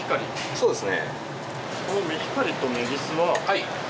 そうですね。